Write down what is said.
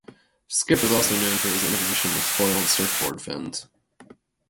Skip is also known for his innovation with foiled surfboard fins.